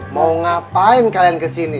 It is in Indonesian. mau ngapain kalian kesini